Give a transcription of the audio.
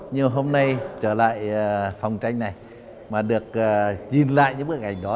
nhưng hôm nay trở lại phòng tranh này mà được nhìn lại những bức ảnh đó